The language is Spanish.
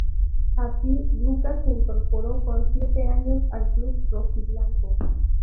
Así, Luka se incorporó con siete años al club rojiblanco.